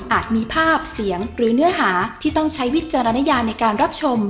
มีภาพเสียงหรือเนื้อหาที่ต้องใช้วิจารณญาในการรับชม